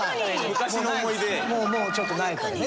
もうちょっとないからね。